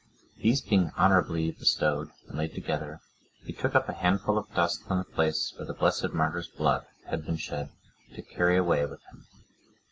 These being honourably bestowed, and laid together, he took up a handful of dust from the place where the blessed martyr's blood had been shed, to carry away with him.